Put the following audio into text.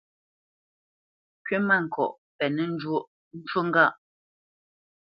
Kywítmâŋkɔʼ penə́ njwōʼ, ncú ŋgâʼ.